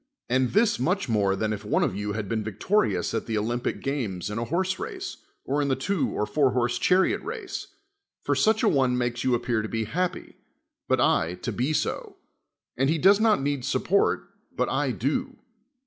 and this much more than if one of you had been victorious at the Olympic games in a horse rai^e, or in the two or four horsed chariot race : for such a one makes you appear to be happy, but L to be so : and he does not need support, but I do.